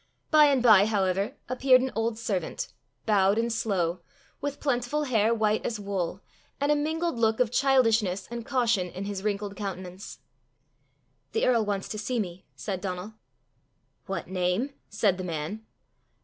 By and by, however, appeared an old servant, bowed and slow, with plentiful hair white as wool, and a mingled look of childishness and caution in his wrinkled countenance. "The earl wants to see me," said Donal. "What name?" said the man.